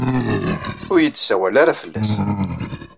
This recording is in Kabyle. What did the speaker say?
Ur iyi-d-ssawal ara fell-as.